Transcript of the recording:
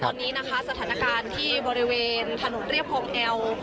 ตอนนี้สถานการณ์ที่บริเวณถนนเลียบคลองแอร์ออก